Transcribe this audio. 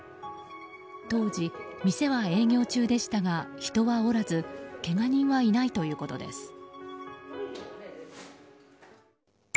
当時、店は営業中でしたが人はおらずけが人はいないということです。